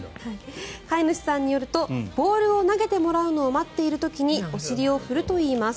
飼い主さんによるとボールを投げてもらうのを待っている時にお尻を振るといいます。